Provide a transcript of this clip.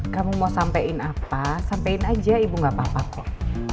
kamu mau sampein apa sampein aja ibu gak apa apa kok